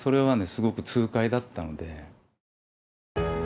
すごく痛快だったので。